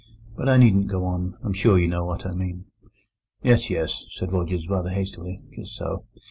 But I needn't go on. I'm sure you know what I mean." "Yes, yes," said Rogers, rather hastily—"just so.